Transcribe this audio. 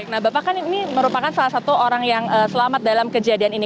nah bapak kan ini merupakan salah satu orang yang selamat dalam kejadian ini